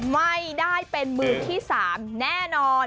ไม่ได้เป็นมือที่๓แน่นอน